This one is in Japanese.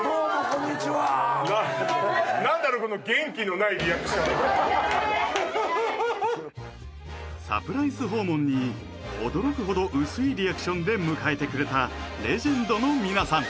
このサプライズ訪問に驚くほど薄いリアクションで迎えてくれたレジェンドの皆さん